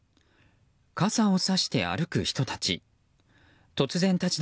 傘をさして歩く人たち。